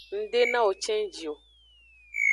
Ng de nawo cenji o.